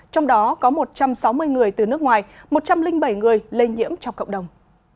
trong đó có một trăm sáu mươi người từ nước ngoài một trăm linh bảy người lây nhiễm trong cộng đồng